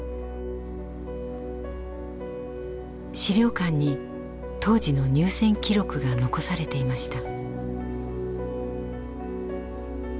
資料館に当時の入船記録が残されていました。